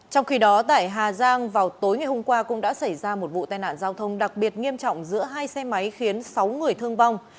trong khi đó tại hà giang vào tối ngày hôm qua cũng đã xảy ra một vụ tai nạn giao thông đặc biệt nghiêm trọng giữa hai xe máy khiến sáu người thương vong